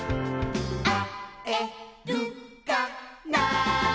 「あえるかな」